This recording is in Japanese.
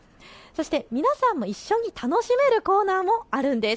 皆さんも一緒に楽しめるコーナーもあるんです。